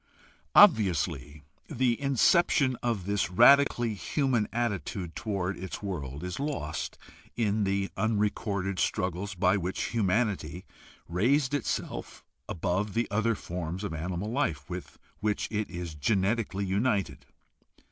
Obviously the inception of this radically human attitude toward its world is lost in the unrecorded struggles by which humanity raised itself above the other forms of animal life with which it is genetically united.